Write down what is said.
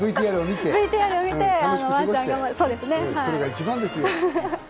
ＶＴＲそれが一番ですよ。